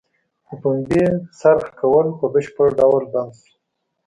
د پنبې څرخ کول په بشپړه ډول بند شو.